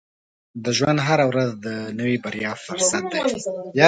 • د ژوند هره ورځ د نوې بریا فرصت دی.